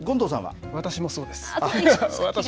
私もそうです。